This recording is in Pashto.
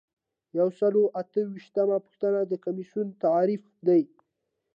یو سل او اته ویشتمه پوښتنه د کمیسیون تعریف دی.